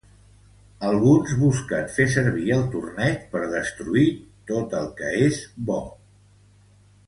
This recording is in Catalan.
Alguns busquen fer servir el torneig per destruir tot el que és bo.